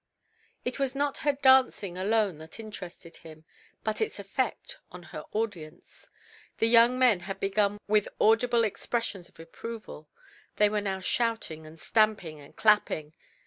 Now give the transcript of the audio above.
It was not her dancing alone that interested him, but its effect on her audience. The young men had begun with audible expressions of approval. They were now shouting and stamping and clapping.